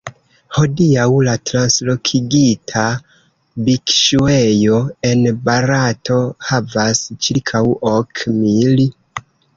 Hodiaŭ, la translokigita bikŝuejo en Barato havas ĉirkaŭ ok mil.